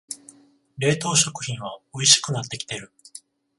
冷凍食品はおいしくなってきてる